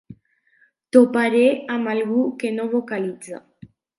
Toparé amb algú que no vocalitza.